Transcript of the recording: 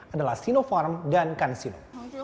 adalah sinopharm dan kansino